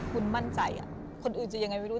คุณมั่นใจคนอื่นจะยังไงไม่รู้